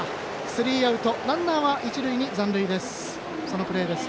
スリーアウトランナーは、一塁に残塁です。